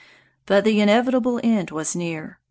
But the inevitable end was near.